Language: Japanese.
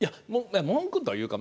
文句というかね